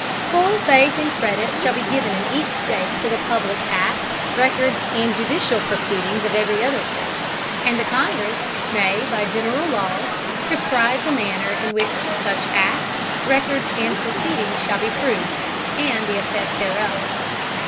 Full Faith and Credit shall be given in each State to the public Acts, Records, and judicial Proceedings of every other State. And the Congress may by general Laws prescribe the Manner in which such Acts, Records and Proceedings shall be proved, and the Effect thereof.